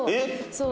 そう。